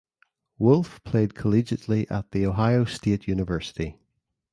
Wolf played collegiately at The Ohio State University.